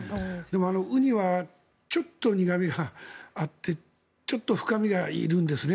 ウニはちょっと苦味があってちょっと深みがいるんですね。